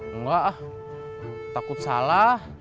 enggak takut salah